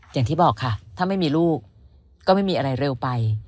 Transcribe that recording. อย่างที่บอกค่ะถ้าไม่มีลูกก็ไม่มีอะไรเร็วไป